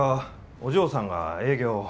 お嬢さんが営業を。